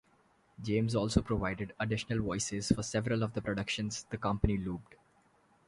James also provided additional voices for several of the productions the company looped.